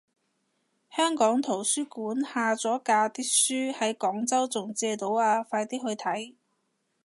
香港圖書館下咗架啲書喺廣州仲借到啊，快啲去睇